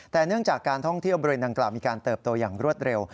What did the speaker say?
แต่เนื่องจากการท่องเที่ยวบริเวณดังกล่าวมีการเติบโตอย่างรวดเร็ว